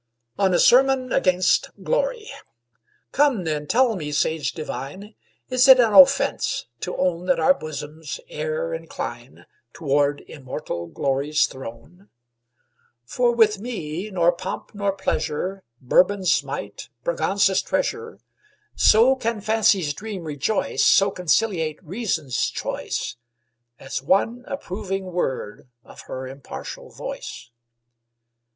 ON A SERMON AGAINST GLORY COME then, tell me, sage divine, Is it an offense to own That our bosoms e'er incline Toward immortal Glory's throne? For with me nor pomp nor pleasure, Bourbon's might, Braganza's treasure, So can Fancy's dream rejoice, So conciliate Reason's choice, As one approving word of her impartial voice.